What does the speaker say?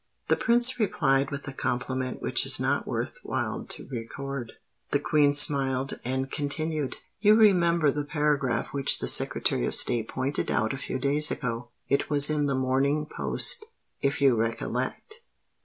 The Prince replied with a compliment which it is not worth while to record. The Queen smiled, and continued:— "You remember the paragraph which the Secretary of State pointed out a few days ago: it was in the Morning Post, if you recollect.